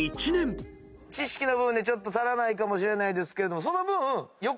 知識の部分で足らないかもしれないですけどその分。